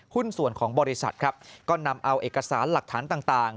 หุ้นส่วนของบริษัทครับก็นำเอาเอกสารหลักฐานต่าง